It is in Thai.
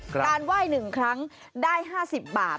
การไหว้หนึ่งครั้งได้ห้าสิบบาท